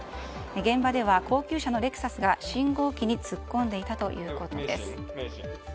現場では高級車のレクサスが信号機に突っ込んでいたということです。